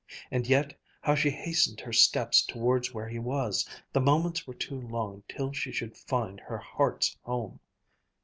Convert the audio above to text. And yet how she hastened her steps towards where he was! The moments were too long till she should find her heart's home!